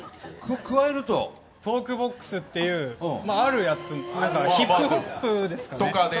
トークボックスっていうあるやつなんです、ヒップホップとかで。